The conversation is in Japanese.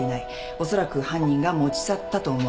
おそらく犯人が持ち去ったと思われる。